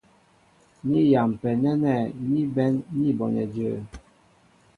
Ni yampɛ nɛ́nɛ́ ní bɛ̌n ní bonɛ jə̄ə̄.